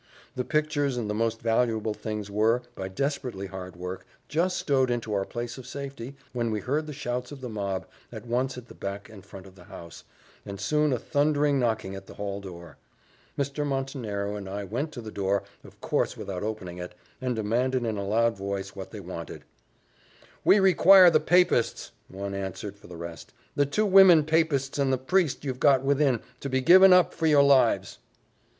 The pictures and the most valuable things were, by desperately hard work, just stowed into our place of safety, when we heard the shouts of the mob, at once at the back and front of the house, and soon a thundering knocking at the hall door. Mr. Montenero and I went to the door, of course without opening it, and demanded, in a loud voice, what they wanted. "We require the papists," one answered for the rest, "the two women papists and the priest you've got within, to be given up, for your lives!"